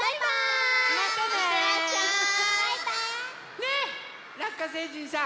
ねえラッカ星人さん。